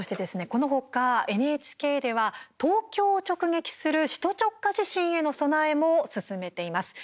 この他ＮＨＫでは東京を直撃する首都直下地震への備えも進めています。